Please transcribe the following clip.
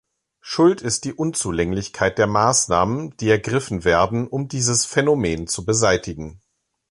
Schuld ist die Unzulänglichkeit der Maßnahmen, die ergriffen werden, um dieses Phänomen zu beseitigen.